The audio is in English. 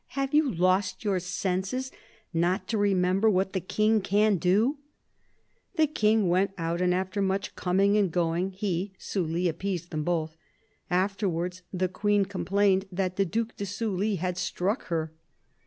Have you lost your senses, not to remember what the King can do ?' The King went out ; and after much coming and going he (Sully) appeased them both. Afterwards, the Queen complained that the Due de Sully had struck her."